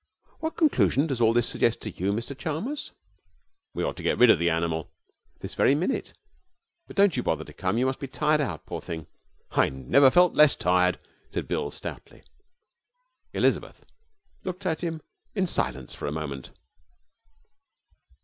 What conclusion does all this suggest to you, Mr Chalmers?' 'We ought to get rid of the animal.' 'This very minute. But don't you bother to come. You must be tired out, poor thing.' 'I never felt less tired,' said Bill stoutly. Elizabeth looked at him in silence for a moment.